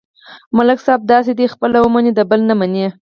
ملک صاحب داسې دی: خپله ومني، د بل نه مني.